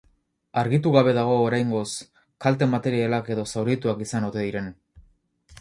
Argitu gabe dago, oraingoz, kalte materialak edo zaurituak izan ote diren.